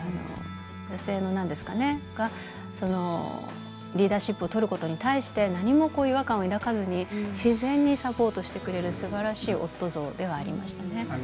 女性がリーダーシップを取ることに対して何も違和感を抱かずに自然にサポートしてくれるすばらしい夫像ではありました。